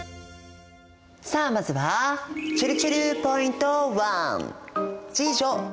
さあまずはちぇるちぇるポイント